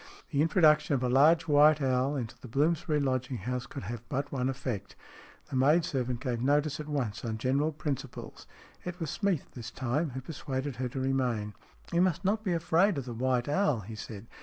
The introduction of a large white owl into the Bloomsbury lodging house could have but one effect. The maid servant gave notice at once on general principles. It was Smeath this time who persuaded her to remain. " You must not be afraid of the white owl," he said.